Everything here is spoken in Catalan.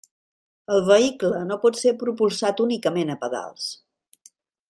El vehicle no pot ser propulsat únicament a pedals.